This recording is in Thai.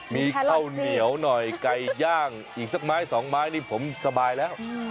มีข้าวเหนียวหน่อยไก่ย่างอีกสักไม้สองไม้นี่ผมสบายแล้ว